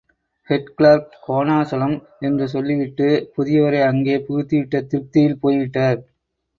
Head clerk Sonachalam... என்று சொல்லி விட்டு, புதியவரை அங்கே புகுத்திவிட்ட திருப்தியில் போய்விட்டார்.